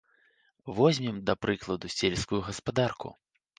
Возьмем, да прыкладу, сельскую гаспадарку.